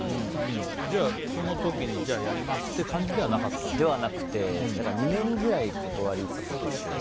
じゃあその時にやります！っていう感じではではなくて２年くらい断り続けて。